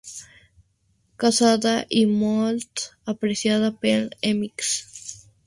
Casada i molt apreciada pels amics.